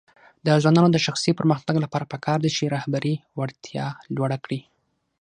د ځوانانو د شخصي پرمختګ لپاره پکار ده چې رهبري وړتیا لوړه کړي.